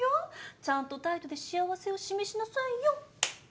ちゃんと態度で幸せを示しなさいよ。